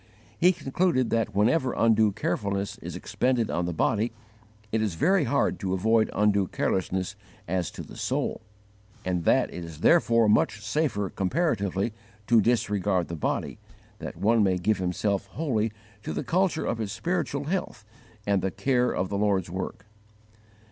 He concluded that whenever undue carefulness is expended on the body, it is very hard to avoid undue carelessness as to the soul; and that it is therefore much safer comparatively to disregard the body, that one may give himself wholly to the culture of his spiritual health and the care of the Lord's work.